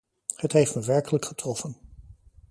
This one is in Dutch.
Het heeft me werkelijk getroffen.